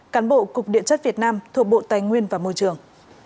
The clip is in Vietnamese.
cán bộ cục điện chất việt nam thuộc bộ tài nguyên và môi trường